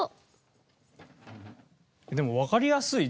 でもわかりやすい。